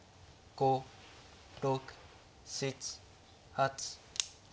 ５６７８。